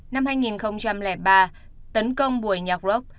năm hai nghìn ba tấn công buổi nhạc rock